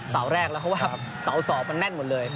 เสาแรกแล้วเพราะว่าเสาสองมันแน่นหมดเลย